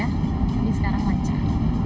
tapi sekarang lancar